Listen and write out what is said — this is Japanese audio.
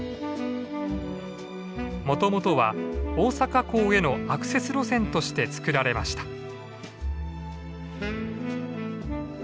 もともとは大阪港へのアクセス路線として作られました。